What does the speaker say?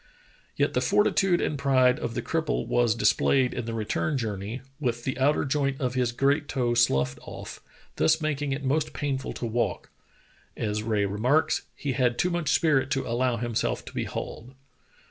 Yet the fortitude and pride of the cripple was dis played in the return journey, with the outer joint of his great toe sloughed off, thus making it most painful to walk; as Rae remarks, "He had too much spirit to allow himself to be hauled."